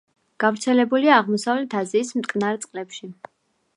გავრცელებულია აღმოსავლეთ აზიის მტკნარ წყლებში.